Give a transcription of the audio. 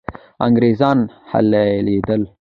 انګریزان حلالېدل.